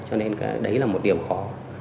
cho nên đấy là một điểm khó